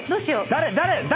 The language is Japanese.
誰誰？